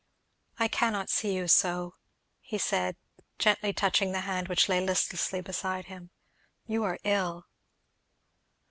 "I cannot see you so," he said, gently touching the hand which lay listlessly beside him. "You are ill!"